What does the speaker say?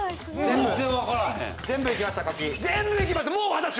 全部いきました！